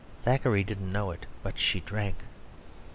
Thackeray didn't know it; but she drank."